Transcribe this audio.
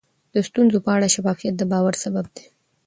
د ستونزو په اړه شفافیت د باور سبب دی.